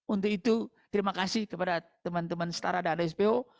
untuk itu terima kasih kepada teman teman setara dan lispo